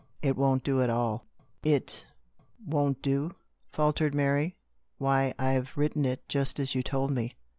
It won't do at all." « It— won't do ?" faltered Mary. " Why, I've written it just as you told me.